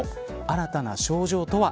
新たな症状とは。